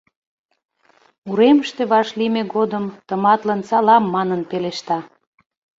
Уремыште вашлийме годым тыматлын «Салам» манын пелешта.